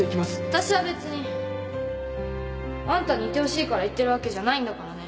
わたしは別にあんたにいてほしいから言ってるわけじゃないんだからね